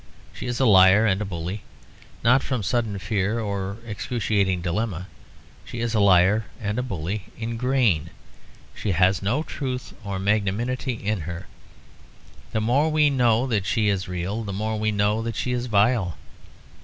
She is a liar and a bully, not from sudden fear or excruciating dilemma; she is a liar and a bully in grain; she has no truth or magnanimity in her. The more we know that she is real, the more we know that she is vile.